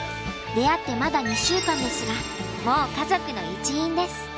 出会ってまだ２週間ですがもう家族の一員です。